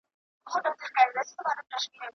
پنځمه نکته.